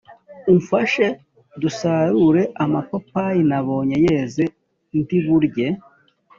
umfashe dusarure amapapayi nabonye yeze ndi burye,